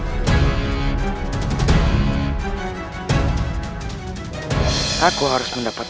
eh ngapain kalian disitu